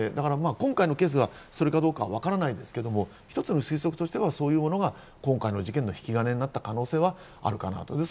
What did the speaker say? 今回のケースがそれかどうかは分からないですけど、一つの推測としてはそういうものは今回の事件の引き金になった可能性はあるかなと。